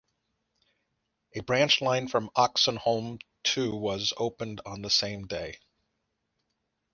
A branch line from Oxenholme to was opened on the same day.